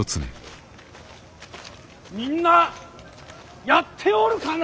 みんなやっておるかな。